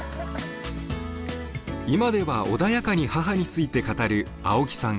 今では穏やかに母について語る青木さん。